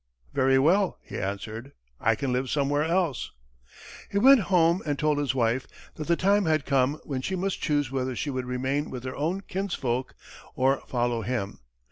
"Very well," he answered, "I can live somewhere else." He went home and told his wife that the time had come when she must choose whether she would remain with her own kinsfolk or follow him.